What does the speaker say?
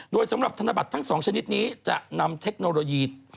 โดยสำหรับธนบัตรทั้ง๒ชนิดนี้จะนำเทคโนโลยี